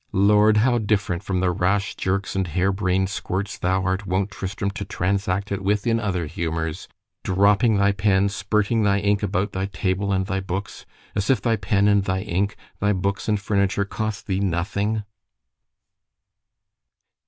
——Lord! how different from the rash jerks and hair brain'd squirts thou art wont, Tristram, to transact it with in other humours—dropping thy pen——spurting thy ink about thy table and thy books—as if thy pen and thy ink, thy books and furniture cost thee nothing!